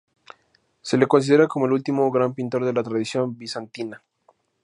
Se le considera como el último gran pintor de la tradición bizantina.